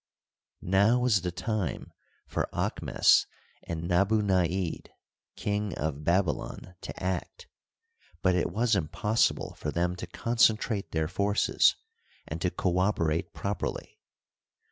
Now was the time for Aahmes and Nabunaid, King of Babylon, to act ; but it was impossible for them to con centrate their forces and to co operate properly.